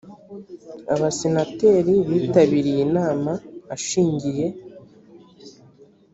abasenateri bitabiriye inama ashingiye